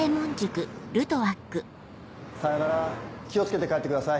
さようなら気を付けて帰ってください。